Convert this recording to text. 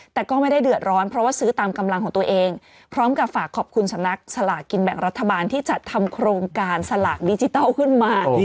แต่ก็ไม่ได้เดือดร้อนเพราะว่าซื้อตามกำลังของตัวเองพร้อมกับฝากขอบคุณสำนักสลากกินแบ่งรัฐบาลที่จัดทำโครงการสลากดิจิทัลขึ้นมา